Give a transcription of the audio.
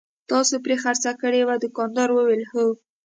تاسې پرې خرڅه کړې وه؟ دوکاندارې وویل: هو.